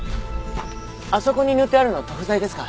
あそこに塗ってあるのは塗布剤ですか？